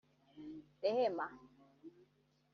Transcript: Rehema’